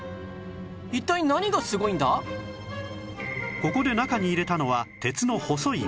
ここで中に入れたのは鉄の細い棒